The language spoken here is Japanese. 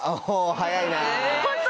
早いな。